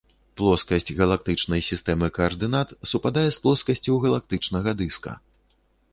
Плоскасць галактычнай сістэмы каардынат супадае з плоскасцю галактычнага дыска.